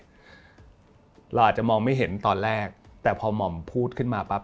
เราอาจจะมองไม่เห็นตอนแรกแต่พอหม่อมพูดขึ้นมาปั๊บ